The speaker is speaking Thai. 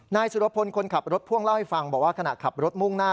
นายสุรพลคนขับรถพ่วงเล่าให้ฟังบอกว่าขณะขับรถมุ่งหน้า